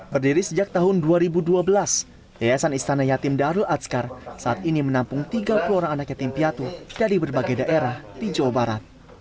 berdiri sejak tahun dua ribu dua belas yayasan istana yatim darul azkar saat ini menampung tiga puluh orang anak yatim piatu dari berbagai daerah di jawa barat